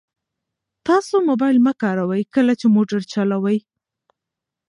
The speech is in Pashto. تاسو موبایل مه کاروئ کله چې موټر چلوئ.